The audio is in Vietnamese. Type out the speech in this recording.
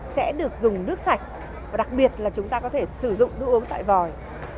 sẽ được dùng nước sạch và đặc biệt là chúng ta có thể sử dụng nước uống tại vòi